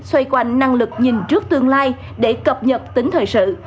xoay quanh năng lực nhìn trước tương lai để cập nhật tính thời sự